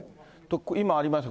今ありました、